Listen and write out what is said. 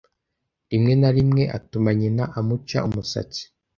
Rimwe na rimwe atuma nyina amuca umusatsi.